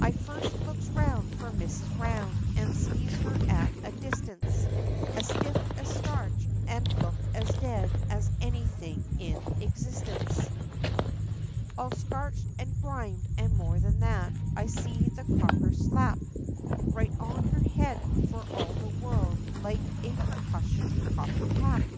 I first looks round for Mrs. Round, and sees her at a distance, As stiff as starch, and looked as dead as any thing in existence; All scorched and grimed, and more than that, I sees the copper slap Right on her head, for all the world like a percussion copper cap.